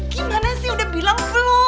gimana sih udah bilang belum